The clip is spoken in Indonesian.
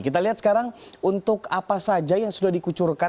kita lihat sekarang untuk apa saja yang sudah dikucurkan